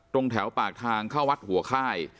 ตรงแถวปากทางเข้าวัดหัวค่าย